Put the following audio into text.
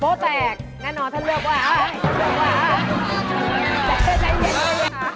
โต๊ะแตกแน่นอนท่านเลือกว่าแต่ใจเย็นเลยนะคะ